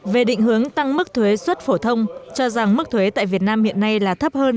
về định hướng tăng mức thuế xuất phổ thông cho rằng mức thuế tại việt nam hiện nay là thấp hơn